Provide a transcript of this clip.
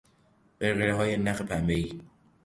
قرقرههای نخ پنبهای